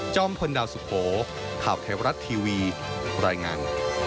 พลดาวสุโขข่าวเทวรัฐทีวีรายงาน